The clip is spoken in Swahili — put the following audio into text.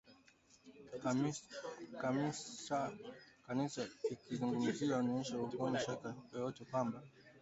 Chamisa akizungumza inaonyesha hakuna shaka yoyote kwamba